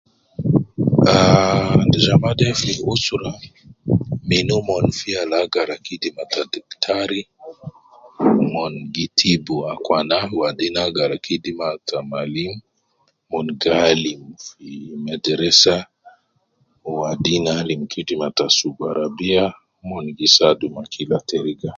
Ah ajama de fi usra min omon fi agara kidima ta fiktari min gi tibu akwana wadin agara kidima ta malim mon gi alim fi mederesa wadin alim kidima ta sugu arabia mon gi saadu ma kila teriga